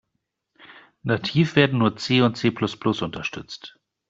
Nativ werden nur C und C-plus-plus unterstützt.